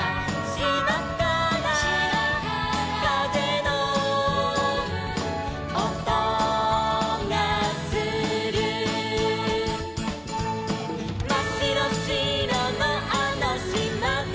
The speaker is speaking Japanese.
「しまからかぜのおとがする」「まっしろしろのあのしまで」